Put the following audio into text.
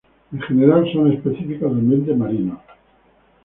En general son específicos de ambientes marinos.